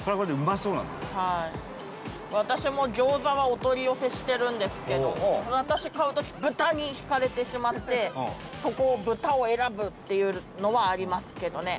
私も餃子はお取り寄せしてるんですけど私買う時「豚」に惹かれてしまってそこを豚を選ぶっていうのはありますけどね。